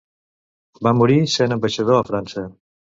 Va morir sent ambaixador a França.